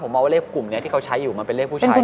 มองว่าเลขกลุ่มนี้ที่เขาใช้อยู่มันเป็นเลขผู้ชาย